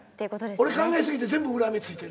俺考え過ぎて全部裏目ついてる。